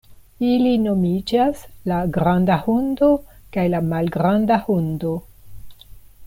Ili nomiĝas la Granda Hundo kaj la Malgranda Hundo.